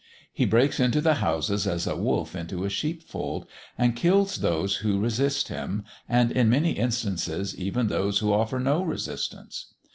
He breaks into the houses as a wolf into a sheepfold, and kills those who resist him, and, in many instances, even those who offer no resistance.